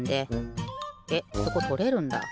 えっそことれるんだ。